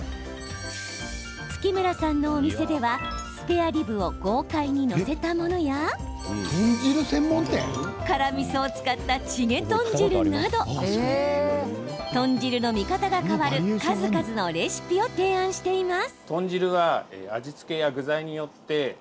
月村さんのお店ではスペアリブを豪快に載せたものや辛みそを使ったチゲ豚汁など豚汁の見方が変わる数々のレシピを提案しています。